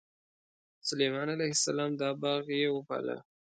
سلیمان علیه السلام دا باغ یې وپاله.